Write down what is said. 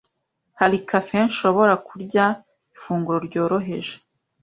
Hari cafe nshobora kurya ifunguro ryoroheje?